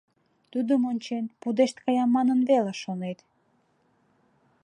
Тудым ончен, пудешт кая манын веле шонет.